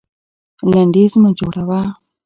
لنډيز مه جوړوه.